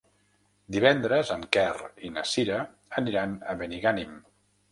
Divendres en Quer i na Sira aniran a Benigànim.